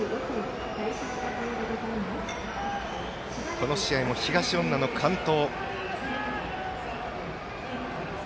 この試合も東恩納の完投。